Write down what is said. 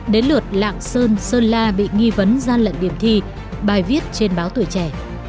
đến lượt lạng sơn sơn la bị nghi vấn gian lận điểm thi bài viết trên báo tuổi trẻ